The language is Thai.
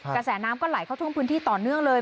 กระแสน้ำก็ไหลเข้าท่วมพื้นที่ต่อเนื่องเลย